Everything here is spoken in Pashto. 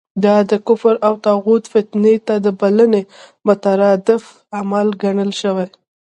دا د کفر او طاغوت فتنې ته د بلنې مترادف عمل ګڼل شوی.